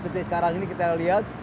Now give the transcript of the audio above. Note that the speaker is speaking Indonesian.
seperti sekarang ini kita lihat